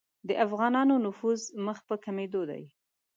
د افغانانو نفوذ مخ په کمېدلو دی.